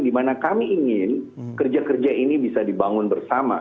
dimana kami ingin kerja kerja ini bisa dibangun bersama